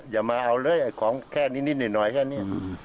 อย่ามาเอาเลยของแค่นิดหน่อยแค่นี้